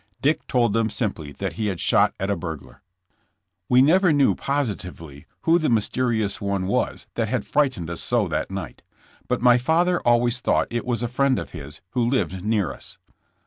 Dick told them simply that he had shot at a burglar. We never knew positively who the mysterious one was that had frightened us so that night, but my father always thought it was a friend of his, who lived near us.